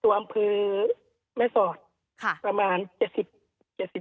ตัวอำคินแม้สอดค่ะประมาณเจสสิบ